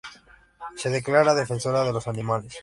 Se declara defensora de los animales.